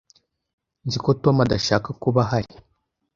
Nzi ko Tom adashaka kuba ahari.